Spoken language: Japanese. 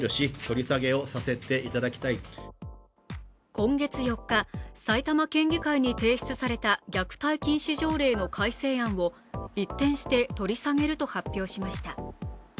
今月４日、埼玉県議会に提出された虐待禁止条例の改正案を一転して取り下げると発表しました。